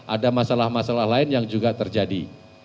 ada masalah masalah lain yang juga terjadi